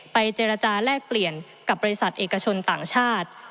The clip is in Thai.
เจรจาแลกเปลี่ยนกับบริษัทเอกชนต่างชาติ